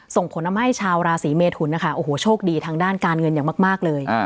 ส่งผลทำให้ชาวราศีเมทุนนะคะโอ้โหโชคดีทางด้านการเงินอย่างมากเลย